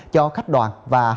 cho khách đoàn và hành khách